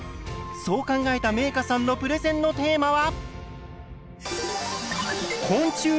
そう考えためいかさんのプレゼンのテーマは。